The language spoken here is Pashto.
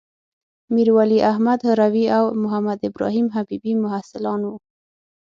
میرولی احمد هروي او محمدابراهیم حبيبي محصلان وو.